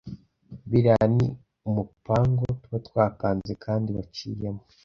biriya ni umupango tuba twapanze kandi waciyemo